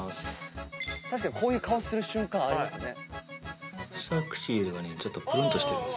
確かにこういう顔する瞬間ありますよね。